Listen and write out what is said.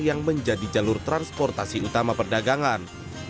yang menjadi jalur transportasi utama perdagangan